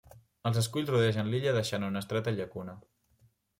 Els esculls rodegen l'illa deixant una estreta llacuna.